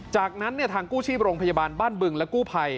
จากนั้นทางกู้ชีพโรงพยาบาลบ้านบึงและกู้ภัย